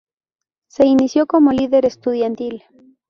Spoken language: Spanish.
Se inició como líder estudiantil.